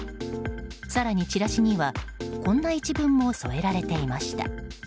更にチラシには、こんな一文も添えられていました。